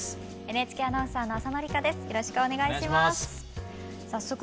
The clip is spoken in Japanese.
ＮＨＫアナウンサーの浅野里香です。